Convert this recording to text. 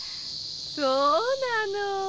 そうなの。